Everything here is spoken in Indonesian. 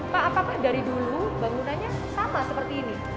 pak apakah dari dulu bangunannya sama seperti ini